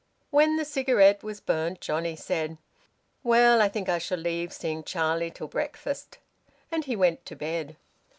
When the cigarette was burnt, Johnnie said "Well, I think I shall leave seeing Charlie till breakfast." And he went to bed.